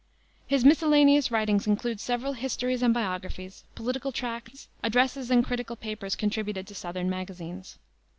His miscellaneous writings include several histories and biographies, political tracts, addresses and critical papers contributed to southern magazines.